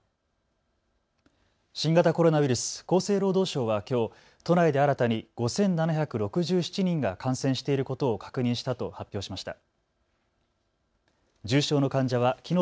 新型コロナウイルス、厚生労働省はきょう都内で新たに５７６７人が感染していることを確認したと発表しました。